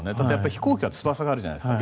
飛行機は翼があるじゃないですか。